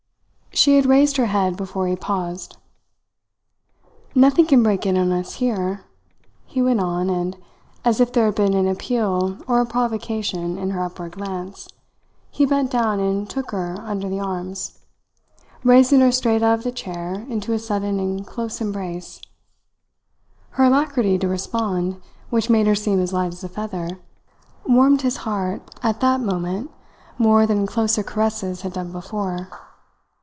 She had raised her head before he paused. "Nothing can break in on us here," he went on and, as if there had been an appeal or a provocation in her upward glance, he bent down and took her under the arms, raising her straight out of the chair into a sudden and close embrace. Her alacrity to respond, which made her seem as light as a feather, warmed his heart at that moment more than closer caresses had done before.